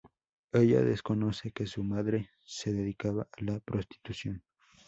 Ella desconoce que su madre se dedicaba a la prostitución.